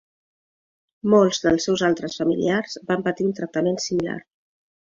Molts dels seus altres familiars van patir un tractament similar.